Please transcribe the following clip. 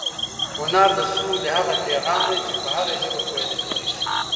هنر د سولې هغه پیغام دی چې په هره ژبه پوهېدل کېږي.